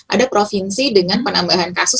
ada provinsi dengan penambahan kasus